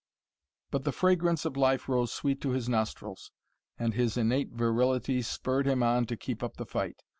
But the fragrance of life rose sweet to his nostrils, and his innate virility spurred him on to keep up the fight.